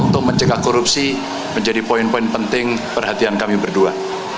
untuk mencegah korupsi menjadi poin poin penting perhatian kami berdua